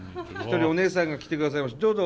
一人おねえさんが来てくださいました。